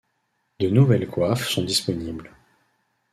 De nouvelles coiffes sont disponibles.